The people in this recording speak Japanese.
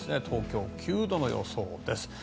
東京９度の予想です。